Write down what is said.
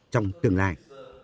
trong tương lai